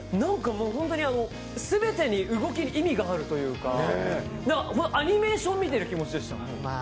すべて、動きに意味があるというかアニメーション見てる気持ちでした。